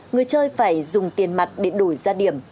người chơi phải dùng tiền mặt để đổi ra điểm